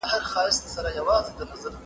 نوموړی حق په قران کي ثابت دی.